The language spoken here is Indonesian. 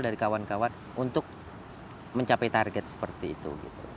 dari kawan kawan untuk mencapai target seperti itu